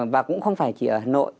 và cũng không phải chỉ ở hà nội